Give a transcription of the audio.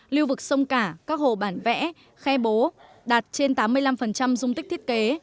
lưu vực sông cả các hồ bản vẽ khe bố đạt trên tám mươi năm dung tích thiết kế